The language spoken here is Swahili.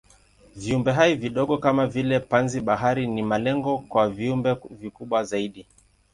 Viumbehai vidogo kama vile panzi-bahari ni malengo kwa viumbe vikubwa zaidi.